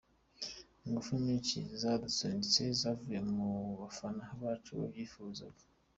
Ingufu nyinshi zadusunitse zavuye mu bafana bacu babyifuzaga.